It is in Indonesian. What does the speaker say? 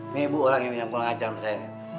nih bu orangnya yang mau ngajar sama saya nih